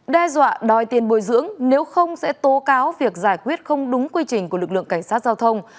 đe dọa đòi tiền bồi dưỡng nếu không sẽ tố cáo việc giải quyết không đúng quy trình của lực lượng cảnh sát giao thông